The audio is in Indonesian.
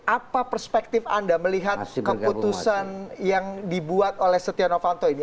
apa perspektif anda melihat keputusan yang dibuat oleh setia novanto ini